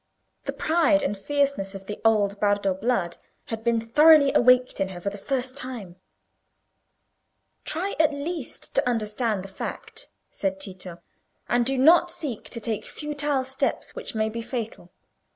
The pride and fierceness of the old Bardo blood had been thoroughly awaked in her for the first time. "Try at least to understand the fact," said Tito, "and do not seek to take futile steps which may be fatal.